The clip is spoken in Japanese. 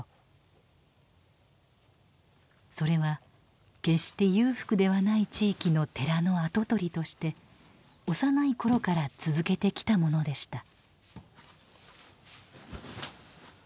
それは決して裕福ではない地域の寺の跡取りとして幼い頃から続けてきたものでした。